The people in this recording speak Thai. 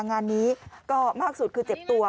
งานนี้ก็มากสุดคือเจ็บตัว